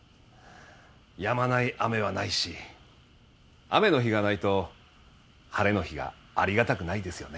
「やまない雨はないし雨の日がないと晴れの日がありがたくないですよね」